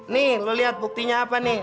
nih lo lihat buktinya apa nih